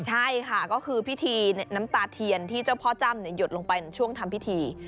ใช่ค่ะก็คือพิธีน้ำตาเทียนที่เจ้าพ่อจ้ำหยดลงไปช่วงทำพิธี